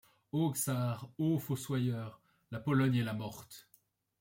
O czar !. ô fossoyeur ! la Pologne est la morte